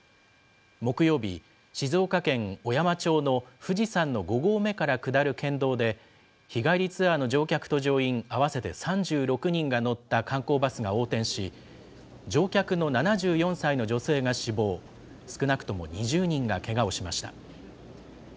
木曜日、静岡県小山町の富士山の５合目から下る県道で、日帰りツアーの乗客と乗員、合わせて３６人が乗った観光バスが横転し、乗客の７４歳の女性が死亡、少なくとも２０人がけがをしました。